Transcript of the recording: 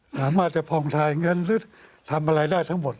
สามารถจะพองทายเงินหรือทำอะไรได้ทั้งหมด